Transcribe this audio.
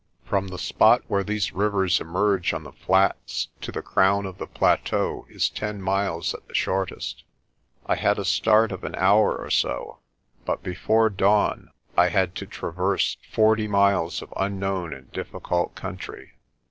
From the spot where these rivers emerge on the flats to the crown of the plateau is ten miles at the shortest. I had a start of an hour or so, but before dawn I had to traverse forty miles of unknown and difficult country.